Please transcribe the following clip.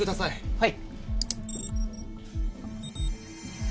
はい。